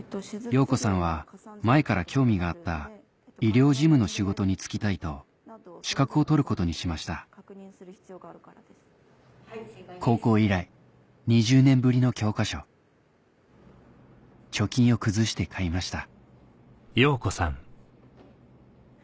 陽子さんは前から興味があった医療事務の仕事に就きたいと資格を取ることにしました高校以来２０年ぶりの教科書貯金を崩して買いました